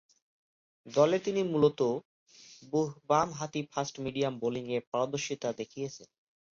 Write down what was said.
দলে তিনি মূলতঃ বামহাতি ফাস্ট-মিডিয়াম বোলিংয়ে পারদর্শীতা দেখিয়েছেন।